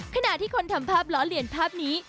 ขณะที่คนทำภาพล้อเลียนภาพนี้